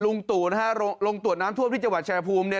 ลุงตู่นะฮะลงตรวจน้ำท่วมที่จังหวัดแชร์ภูมิ